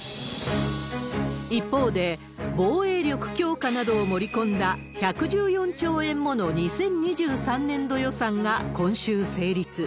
一方で、防衛力強化などを盛り込んだ、１１４兆円もの２０２３年度予算が今週成立。